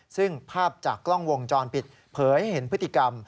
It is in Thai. ซึ่งภาพจากกล้องวงจรปิดเผยเห็นพฤติกรรม